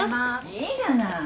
いいじゃない。